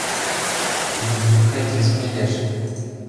Тиде бюрократизм лиеш.